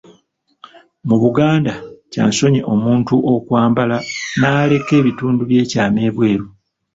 Mu Buganda, kya nsonyi omuntu okwambala n'aleka ebitundu by'ekyama ebweru.